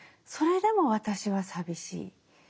それでも私は寂しい。